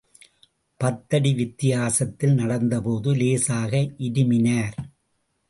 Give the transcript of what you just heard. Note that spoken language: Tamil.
பத்தடி வித்தியாசத்தில் நடந்தபோது, லேசாக இருமினார்.